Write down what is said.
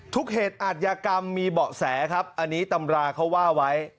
เหตุอัธยากรรมมีเบาะแสครับอันนี้ตำราเขาว่าไว้